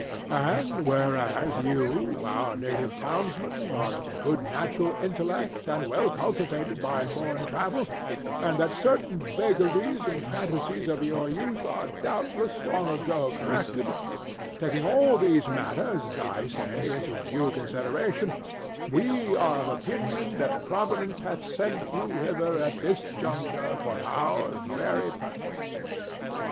And whereas you, our native townsman, are of good natural intellect and well cultivated by foreign travel, and that certain vagaries and fantasies of your youth are doubtless long ago corrected,—taking all these matters, I say, into due consideration, we are of opinion that Providence hath sent you hither at this juncture for our very purpose."